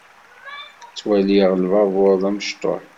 Ttwaliɣ lbabuṛ d amecṭuḥ.